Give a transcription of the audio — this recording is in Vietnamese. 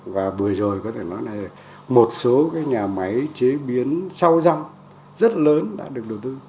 và vừa rồi có thể nói là một số cái nhà máy chế biến sau răm rất là lớn đã được đầu tư